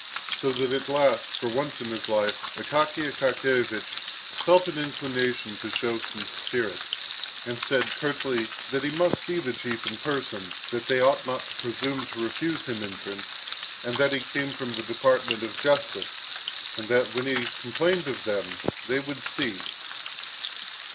So that at last, for once in his life, Akaky Akakiyevich felt an inclination to show some spirit, and said curtly that he must see the chief in person, that they ought not to presume to refuse him entrance, that he came from the department of justice, and that when he complained of them, they would see.